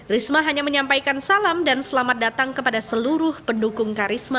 risma hanya menyampaikan salam dan selamat datang kepada seluruh pendukung karisma